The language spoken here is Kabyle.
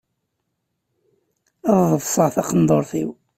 Ad ḍefseɣ taqendurt-iw.